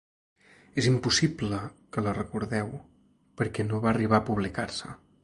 És impossible que la recordeu perquè no va arribar a publicar-se.